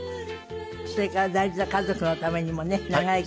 それから大事な家族のためにもね長生きしなくちゃね。